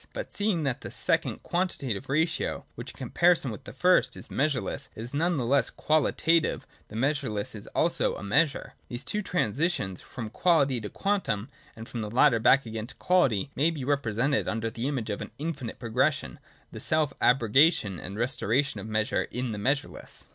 But seeing that the second quantitative ratio, which in comparison with the first is measureless, is none the less qualitative, the measureless is also a measure. These two transitions, from quality to quantum, and from the latter back again to quality, may be represented under the image of an infinite progression — as the self abrogation and restoration of measure in the measureless.